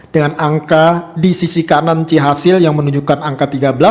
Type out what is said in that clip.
dengan angka di sisi kanan cihasil yang menunjukkan angka tiga belas